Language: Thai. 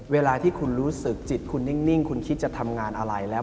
เวลาที่คุณรู้สึกจิตคุณนิ่งคุณคิดจะทำงานอะไรแล้ว